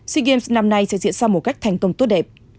sea games năm nay sẽ diễn ra một cách thành công tốt đẹp